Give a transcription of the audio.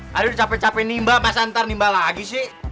hari udah capek capek nimbah masa ntar nimbah lagi sih